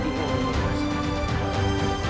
tidak bisa menyejukkan hatimu